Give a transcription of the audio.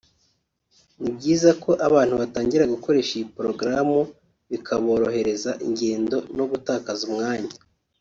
ni byiza ko abantu batangira gukoresha iyi porogaramu bikaborohereza ingendo no gutakaza umwanya